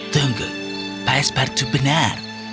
tunggu pes partu benar